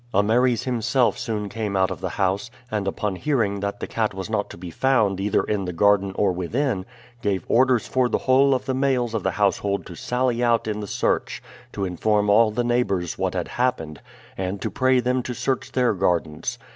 Ameres himself soon came out of the house, and, upon hearing that the cat was not to be found either in the garden or within, gave orders for the whole of the males of the household to sally out in the search, to inform all the neighbors what had happened, and to pray them to search their gardens.